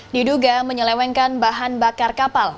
diduga menyelewengkan bahan bakar kapal